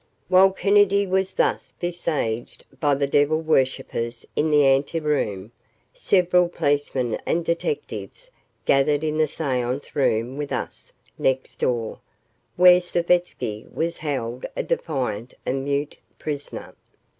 ........ While Kennedy was thus besieged by the devil worshippers in the anteroom, several policemen and detectives gathered in the seance room with us, next door, where Savetsky was held a defiant and mute prisoner.